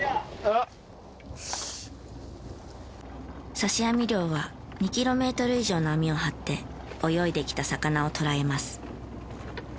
刺し網漁は２キロメートル以上の網を張って泳いできた魚を捕らえます。